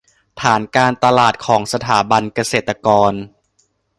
ฐานการตลาดของสถาบันเกษตรกร